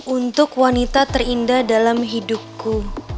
untuk wanita terindah dalam hidupku